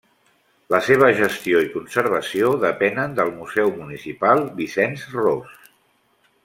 La seva gestió i conservació depenen del Museu Municipal Vicenç Ros.